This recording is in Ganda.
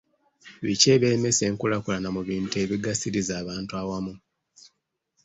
Biki ebiremesa enkulaakulana mu bintu ebigasiriza abantu awamu?